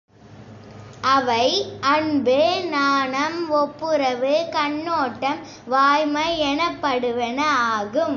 அவை அன்பு, நாணம், ஒப்புரவு, கண்ணோட்டம், வாய்மை எனப்படுவன ஆகும்.